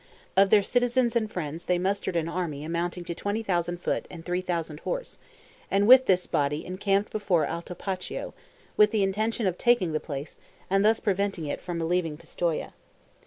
Of their citizens and friends they mustered an army amounting to 20,000 foot and 3,000 horse, and with this body encamped before Altopascio, with the intention of taking the place and thus preventing it from relieving Pistoia.